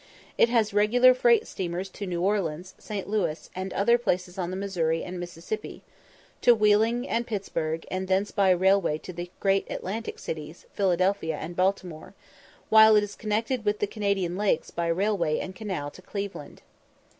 It has regular freight steamers to New Orleans, St. Louis, and other places on the Missouri and Mississippi; to Wheeling and Pittsburgh, and thence by railway to the great Atlantic cities, Philadelphia and Baltimore, while it is connected with the Canadian lakes by railway and canal to Cleveland.